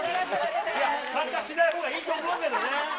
いや、参加しないほうがいいと思うんだけどね。